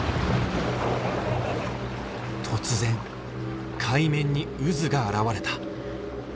突然海面に渦が現れた！